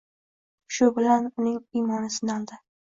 Shu bilan uning iymoni sinaldi